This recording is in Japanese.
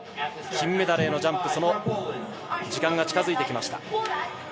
金メダルへのジャンプ、その時間が近づいてきました。